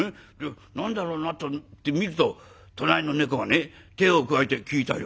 何だろうなと見ると隣の猫がね鯛をくわえて消えたよ」。